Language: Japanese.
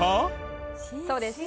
そうです。